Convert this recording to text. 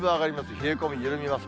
冷え込み緩みます。